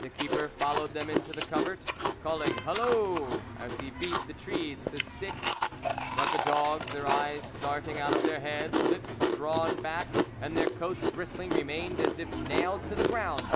The keeper followed them into the covert, calling halloo as he beat the trees with his stick. But the dogs, their eyes starting out of their heads, their lips drawn back, and their coats bristling, remained as if nailed to the ground.